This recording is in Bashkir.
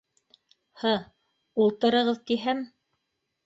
- Һы, ултырығыҙ тиһәм...